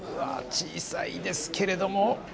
小さいんですけれども。